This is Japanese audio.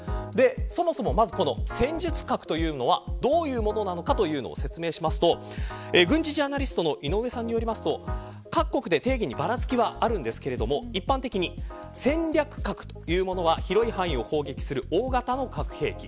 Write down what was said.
そもそも、この戦術核というのはどういうものなのかというのを説明すると軍事ジャーナリストの井上さんによると各国で定義にばらつきはありますが、一般的に戦略核というものは広い範囲を攻撃する大型の核兵器。